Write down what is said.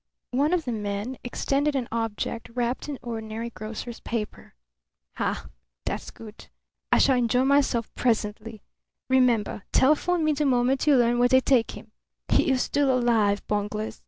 One of the men extended an object wrapped in ordinary grocer's paper. "Ha! That's good. I shall enjoy myself presently. Remember: telephone me the moment you learn where they take him. He is still alive, bunglers!